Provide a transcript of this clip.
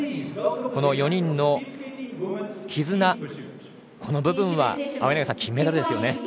この４人の絆の部分は青柳さん、金メダルですよね。